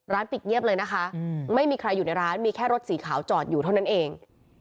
ปิดเงียบเลยนะคะไม่มีใครอยู่ในร้านมีแค่รถสีขาวจอดอยู่เท่านั้นเอง